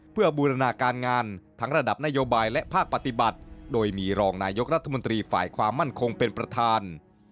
เพื่อบูรณาการงานทั้งระดับนโยบายและภาคปฏิบัติโดยมีรองนายกรัฐมนตรีฝ่ายความมั่นคงเป็นประธาน